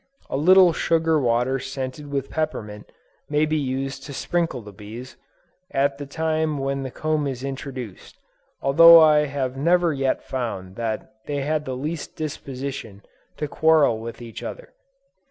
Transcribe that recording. A little sugar water scented with peppermint, may be used to sprinkle the bees, at the time that the comb is introduced, although I have never yet found that they had the least disposition, to quarrel with each other.